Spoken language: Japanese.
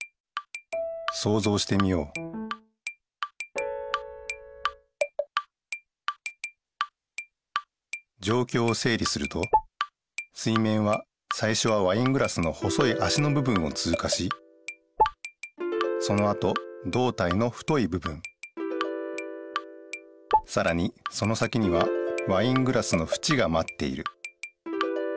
そうぞうしてみようじょうきょうをせい理すると水面はさいしょはワイングラスの細いあしのぶ分をつうかしそのあとどうたいの太いぶ分さらにその先にはワイングラスのふちがまっている